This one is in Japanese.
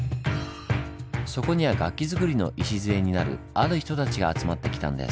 そこには楽器づくりの礎になる「ある人たち」が集まってきたんです。